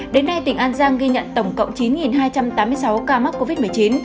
đến nay tỉnh an giang ghi nhận tổng cộng chín hai trăm tám mươi sáu ca mắc covid một mươi chín